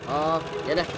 oh ya dah